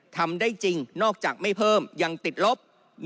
ทำได้จริงนอกจากไม่เพิ่มยังติดลบ